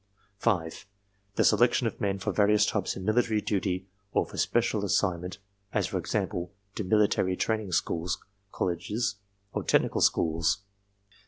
5. The selection of men for various types of military duty or for special assignment, as for example, to military training schools, colleges, or technical schools.